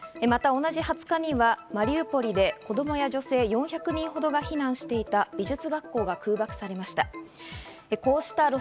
また同じ２０日にはマリウポリで子供や女性４００人ほどが避難していた美術学校が空爆されました。